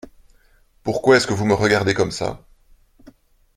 Pourquoi est-ce que vous me regardez comme ça ?